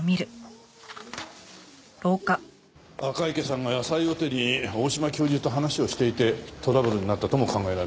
赤池さんが野菜を手に大島教授と話をしていてトラブルになったとも考えられますね。